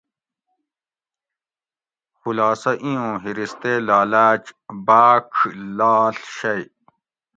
خلاصہ اِیں اُوں حرص تے لالاۤچ بآۤڄ لاڷ شئ